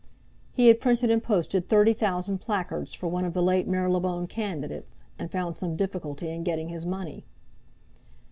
He had printed and posted 30,000 placards for one of the late Marylebone candidates, and found some difficulty in getting his money.